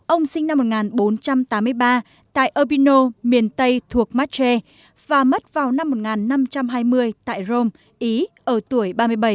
ông sinh năm một nghìn bốn trăm tám mươi ba tại opino miền tây thuộc madj và mất vào năm một nghìn năm trăm hai mươi tại rome ý ở tuổi ba mươi bảy